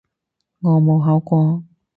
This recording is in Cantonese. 我冇考過